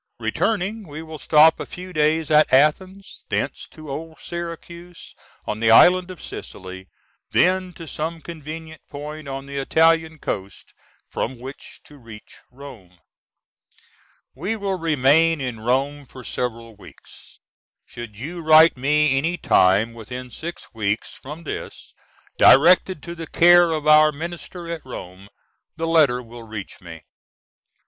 Returning we will stop a few days at Athens, thence to old Syracuse on the island of Sicily, then to some convenient point on the Italian coast from which to reach Rome. We will remain in Rome for several weeks. Should you write me any time within six weeks from this directed to the care of our Minister at Rome, the letter will reach me.